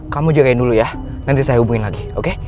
kamu jagain dulu ya nanti saya hubungin lagi oke